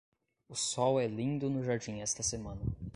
O sol é lindo no jardim esta semana.